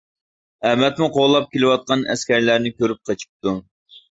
ئەمەتمۇ قوغلاپ كېلىۋاتقان ئەسكەرلەرنى كۆرۈپ قېچىپتۇ.